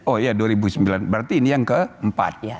oh ya dua ribu sembilan berarti ini yang keempat